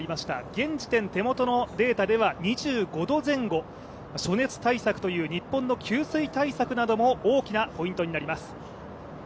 現時点、手元のデータでは２５度前後暑熱対策という日本の給水対策も日本の大きな戦いとなります。